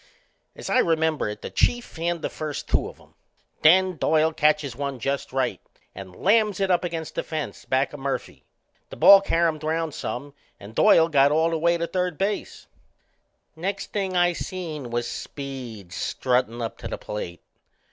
As I remember it the Chief fanned the first two of 'em. Then Doyle catches one just right and lams it up against the fence back o' Murphy. The ball caromed round some and Doyle got all the way to third base. Next thing I seen was Speed struttin' up to the plate.